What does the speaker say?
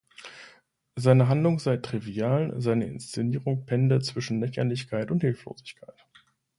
Seine Handlung sei „"trivial"“, seine Inszenierung pendle „"zwischen Lächerlichkeit und Hilflosigkeit"“.